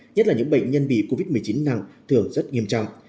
nhất là những bệnh nhân bị covid một mươi chín nặng thường rất nghiêm trọng